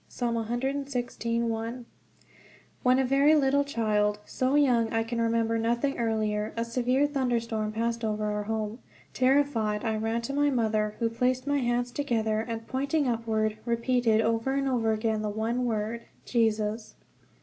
Psalm 116:1. WHEN a very little child, so young I can remember nothing earlier, a severe thunderstorm passed over our home. Terrified, I ran to my mother, who placed my hands together, and pointing upward repeated over and over again the one word "Jesus."